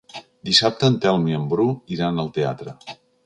Dissabte en Telm i en Bru iran al teatre.